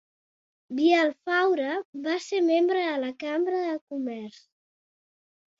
Vielfaure va ser membre de la Cambra de Comerç.